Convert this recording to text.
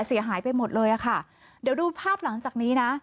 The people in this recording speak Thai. เสียหายไปหมดเลยอ่ะค่ะเดี๋ยวดูภาพหลังจากนี้นะ